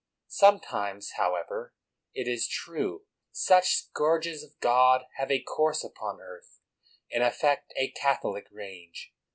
Sometimes, however, it is true, such scourges of God have a course upon earth, and affect a Catholic range.